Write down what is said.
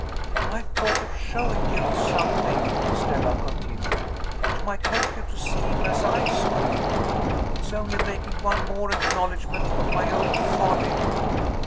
"I thought of showing you something," Stella continued, "which might help you to see him as I saw him. It's only making one more acknowledgment of my own folly."